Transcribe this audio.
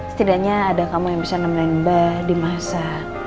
setidaknya ada kamu yang bisa nemenin mbah di masa